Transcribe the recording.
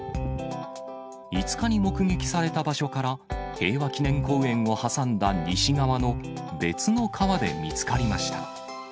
５日に目撃された場所から、平和記念公園を挟んだ西側の別の川で見つかりました。